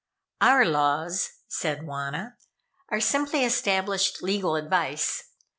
"Our laws," said Wauna, "are simply established legal advice.